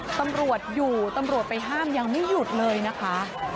ตำรวจอยู่ตำรวจไปห้ามยังไม่หยุดเลยนะคะ